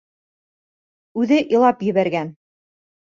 Үҙе илап ебәргән.